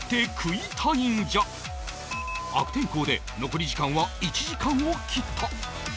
悪天候で残り時間は１時間を切った